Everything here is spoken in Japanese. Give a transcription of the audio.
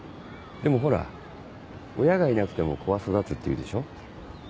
でもほら「親がいなくても子は育つ」っていうでしょ。